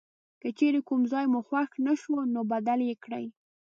که چیرې کوم ځای مو خوښ نه شو نو بدل یې کړئ.